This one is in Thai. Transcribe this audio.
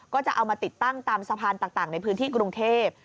ก็จะเอามาติดตั้งตามสะพานต่างในพื้นที่กรุงเทพ